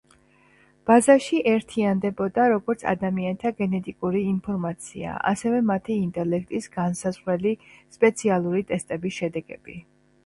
ბაზაში ერთიანდებოდა როგორც ადამიანთა გენეტიკური ინფორმაცია, ასევე მათი ინტელექტის განმსაზღვრელი სპეციალური ტესტების შედეგები.